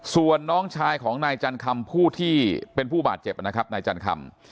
ส่วนน้องชายของนายจันคำผู้ที่เป็นผู้บาดเจ็บนะครับนายจันคำ